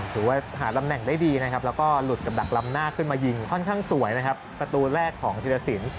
ถือว่าหาตำแหน่งได้ดีนะครับแล้วก็หลุดกับดักลำหน้าขึ้นมายิงค่อนข้างสวยนะครับประตูแรกของธิรสิน